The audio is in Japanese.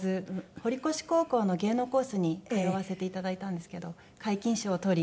堀越高校の芸能コースに通わせていただいたんですけど皆勤賞をとり。